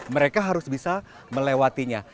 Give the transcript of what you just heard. mereka harus bisa melewatinya